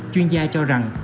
chuyên gia cho rằng